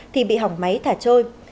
thì bị hỏng máy thả trôi